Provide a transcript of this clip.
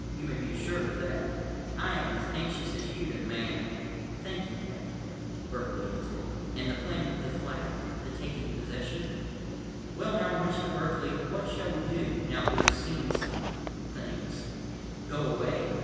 You may be assured of that. I am as anxious as you that Man—" "Thank you, Captain," Berkeley answered. "And the planting of the flag? The taking possession?" "Well, now, Mr. Berkeley, what shall we do, now that we have seen some—things? Go away?